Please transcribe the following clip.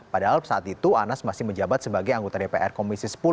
padahal saat itu anas masih menjabat sebagai anggota dpr komisi sepuluh